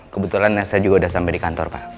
kebetulan saya juga udah sampai di kantor pak